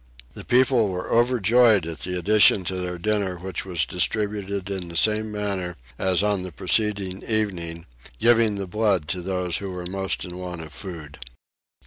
The people were overjoyed at the addition to their dinner which was distributed in the same manner as on the preceding evening, giving the blood to those who were the most in want of food.